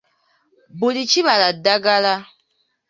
Buli kibala ddagala.